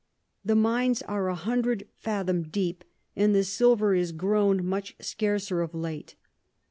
The Mines are a hundred fathom deep, and the Silver is grown much scarcer of late.